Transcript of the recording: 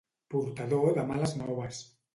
Portador de males noves.